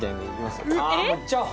いっちゃおう